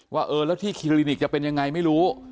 ว่าเออแล้วที่คิลิกจะเป็นยังไงไม่รู้